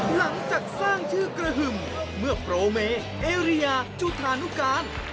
หลังจากสร้างชื่อกระหึ่มเมื่อโปรเมเอเรียจุธานุการ